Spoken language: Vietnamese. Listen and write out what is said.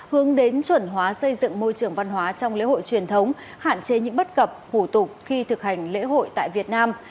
hướng đến chuẩn hóa xây dựng môi trường văn hóa trong lễ hội truyền thống hạn chế những bất cập hủ tục khi thực hành lễ hội tại việt nam